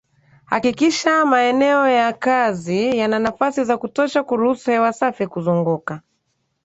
Hakikisha maeneo ya kazi yana nafasi za kutosha kuruhusu hewa safi kuzunguka